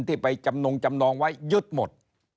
ที่ไปจำนงจำนองไว้ยึดหมด